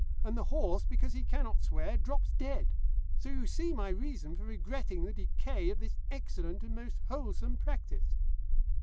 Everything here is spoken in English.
And the horse, because he cannot swear, drops dead. So you see my reason for regretting the decay of this excellent and most wholesome practice....